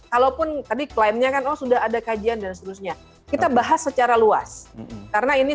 kalaupun tadi klaimnya kan oh sudah ada kajian dan seterusnya kita bahas secara luas karena ini